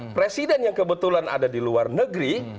presiden yang kebetulan ada di luar negeri